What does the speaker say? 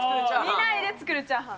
見ないで作るチャーハン。